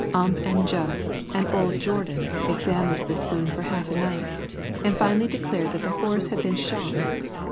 Ump and Jud and old Jourdan examined this wound for half a night, and finally declared that the horse had been shot.